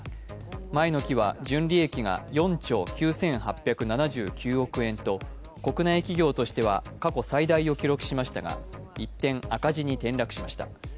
前の期は純利益が４兆９８７９億円と国内企業としては過去最大を記録しましたが、一転、赤字に転落しました。